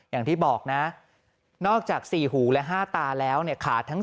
อย่างที่บอกนอกจาก๔หูและ๕ตาแล้วขาดทั้ง๔